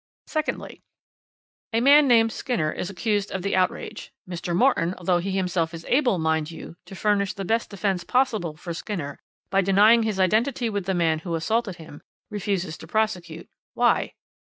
Secondly: A man named Skinner is accused of the outrage. Mr. Morton, although he himself is able, mind you, to furnish the best defence possible for Skinner, by denying his identity with the man who assaulted him, refuses to prosecute.